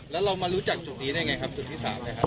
แล้วเรามารู้จักจุดนี้ได้ไงครับจุดที่๓นะครับ